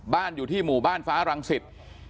อยู่ที่หมู่บ้านฟ้ารังสิต